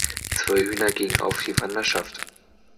Zwei Hühner gingen auf die Wanderschaft!